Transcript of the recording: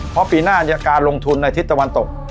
เพราะปีหน้าการลงทุนในทิศตะวันตก